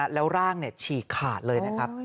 แล้วร่างเนี่ยชอบขาดเลยนะครับ